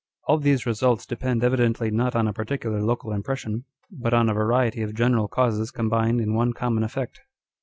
All these results depend evidently not on a particular local impression, but on a variety of general causes combined in one common effect.